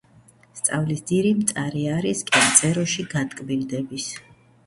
'სწავლის ძირი მწარე არის, კენწეროში გატკბილდების"